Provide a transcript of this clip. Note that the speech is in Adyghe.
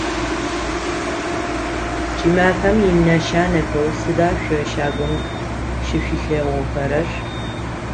Кӏымафэм инэшанэхэу сыда шъо щагум щышъулъэгъухэрэр?